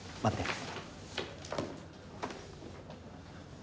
待って。